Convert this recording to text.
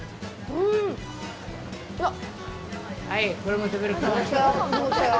うわっ。